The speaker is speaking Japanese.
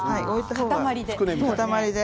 塊で。